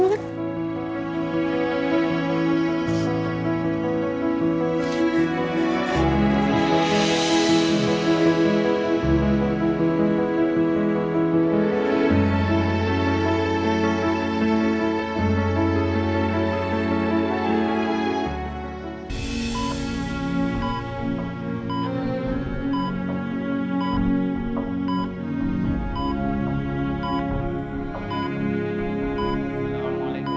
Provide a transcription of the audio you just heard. ya udah ber afin